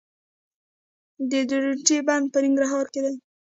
د درونټې بند په ننګرهار کې دی